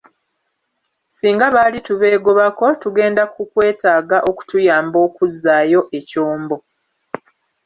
Singa bali tubeegobako tugenda kukwetaaga okutuyamba okuzzaayo ekyombo.